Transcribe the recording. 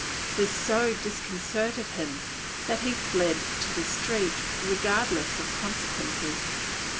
This so disconcerted him that he fled to the street, regardless of consequences.